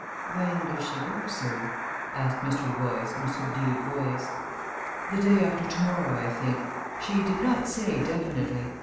"When does she go, sir?" asked Mr. Royce, in a subdued voice. "The day after to morrow, I think. She did not say definitely.